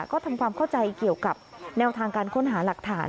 ก็ทำความเข้าใจเกี่ยวกับแนวทางการค้นหาหลักฐาน